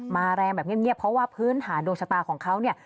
แรงแบบเงียบเพราะว่าพื้นฐานดวงชะตาของเขาเนี่ย